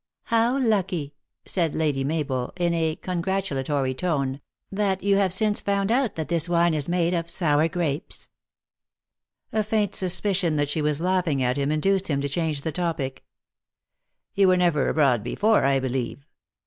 How lucky," said Lady Mabel, in a congratula tory tone, " that you have since found out that this wine is made of sour grapes." A faint suspicion that she was laughing at him in duced him to change the topic. " You were never abroad before, I believe.